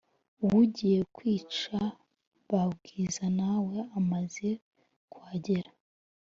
uwugiye kwica ba bwiza nawe amaze kuhagera